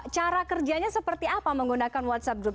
cara kerjanya seperti apa menggunakan whatsapp group